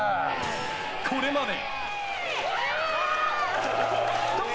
これまで。